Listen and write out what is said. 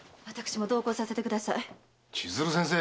千鶴先生。